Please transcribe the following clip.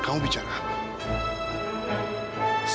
kamu bicara apa